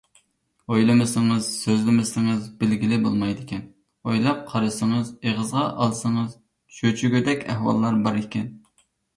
ئويلىمىسىڭىز، سۆزلىمىسىڭىز بىلگىلى بولمايدىكەن، ئويلاپ قارىسىڭىز، ئېغىزغا ئالسىڭىز چۆچۈگىدەك ئەھۋاللار بار ئىكەن.